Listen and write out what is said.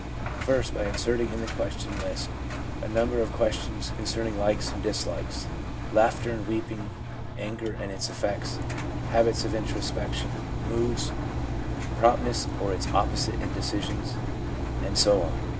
First, by inserting in the question list a number of questions concerning likes and dislikes, laughter and weeping, anger and its effects, habits of introspection, moods, promptness or its opposite in decisions, and so on.